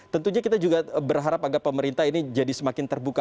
tentunya kita juga berharap agar pemerintah ini jadi semakin terbuka